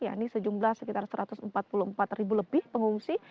yakni sejumlah sekitar satu ratus empat puluh empat ribu lebih pengungsi